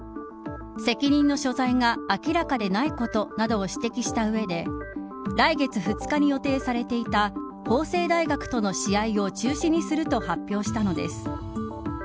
責任の所在が明らかでないことなどを指摘した上で来月２日に予定されていた法政大学との試合を中止にすると発表したのです。